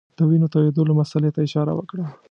د وینو تویېدلو مسلې ته اشاره وکړه.